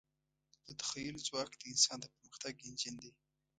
د تخیل ځواک د انسان د پرمختګ انجن دی.